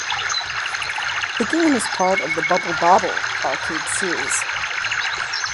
The game is part of the Bubble Bobble arcade series.